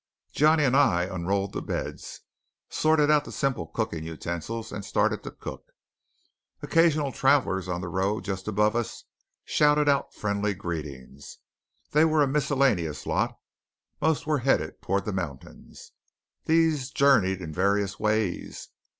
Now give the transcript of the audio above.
Johnny and I unrolled the beds, sorted out the simple cooking utensils, and started to cook. Occasional travellers on the road just above us shouted out friendly greetings. They were a miscellaneous lot. Most were headed toward the mountains. These journeyed in various ways.